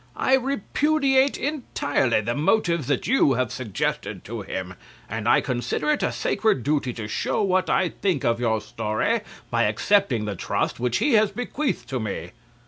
I repudiate entirely the motives that you have suggested to him, and I consider it a sacred duty to show what I think of your story by accepting the trust which he has bequeathed to me.